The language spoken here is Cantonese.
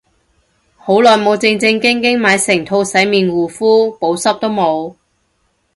好耐冇正正經經買成套洗面護膚，補濕都冇